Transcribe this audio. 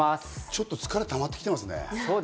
ちょっと疲れがたまってきましたね。